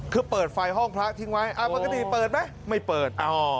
คือเปิดไฟห้องพระทิ้งไว้ปกติเปิดไหมไม่เปิด